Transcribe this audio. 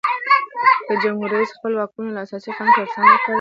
که جمهور رئیس خپل واکونه له اساسي قانون سره سم وکاروي.